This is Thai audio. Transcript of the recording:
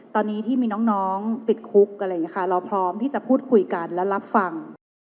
ตอนนี้ที่มีน้องติดคุกอะไรอย่างนี้ค่ะเราพร้อมที่จะพูดคุยกันและรับฟัง